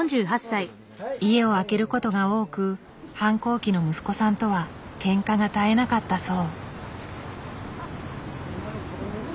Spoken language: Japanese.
家を空けることが多く反抗期の息子さんとはケンカが絶えなかったそう。